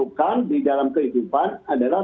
bukan di dalam kehidupan adalah